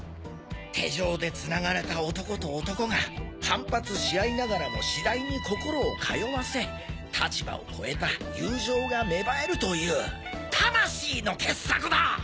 手錠でつながれた男と男が反発し合いながらも次第に心を通わせ立場を越えた友情が芽生えるという魂の傑作だ！